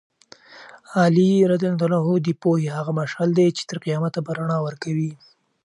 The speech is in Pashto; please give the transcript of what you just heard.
علي رض د پوهې هغه مشعل دی چې تر قیامته به رڼا ورکوي.